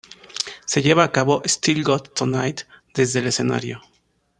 Se lleva a cabo "Still Got Tonight" desde el escenario.